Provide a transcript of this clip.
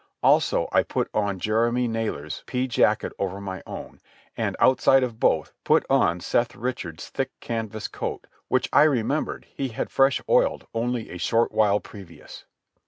Also, I put on Jeremy Nalor's pea jacket over my own, and, outside of both, put on Seth Richard's thick canvas coat which I remembered he had fresh oiled only a short while previous.